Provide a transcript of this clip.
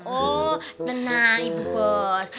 oh benar ibu bos